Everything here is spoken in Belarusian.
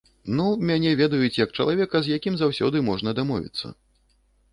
Ну, мяне ведаюць, як чалавека, з якім заўсёды можна дамовіцца.